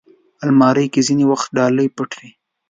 الماري کې ځینې وخت ډالۍ پټ وي